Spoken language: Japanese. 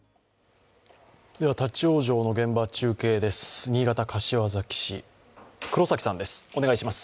立往生の現場、中継です。